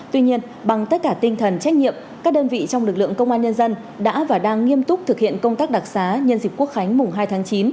tuy nhiên bằng tất cả tinh thần trách nhiệm các đơn vị trong lực lượng công an nhân dân đã và đang nghiêm túc thực hiện công tác đặc xá nhân dịp quốc khánh mùng hai tháng chín